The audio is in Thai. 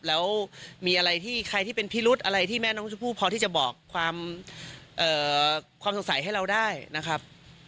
แล้วมีอะไรที่ใครที่เป็นพิรุธอะไรที่แม่น้องชมพู่พอที่จะบอกความสงสัยให้เราได้นะครับ